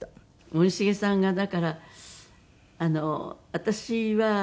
森繁さんがだから私はそう。